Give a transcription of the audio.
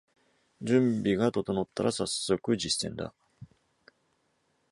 準備が整ったらさっそく実践だ